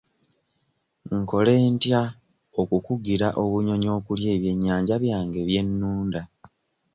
Nkole ntya okukugira obunyonyi okulya ebyennyanja byange bye nnunda?